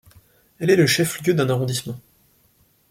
Elle est le chef-lieu d'un arrondissement.